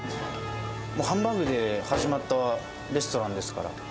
ハンバーグで始まったレストランですから。